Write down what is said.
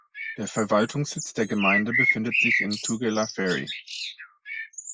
Der Verwaltungssitz der Gemeinde befindet sich in Tugela Ferry.